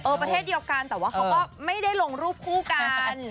ประเทศเดียวกันแต่ว่าเขาก็ไม่ได้ลงรูปคู่กัน